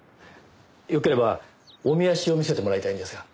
よければおみ足を見せてもらいたいんですが。